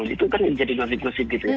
itu kan menjadi gosip gosip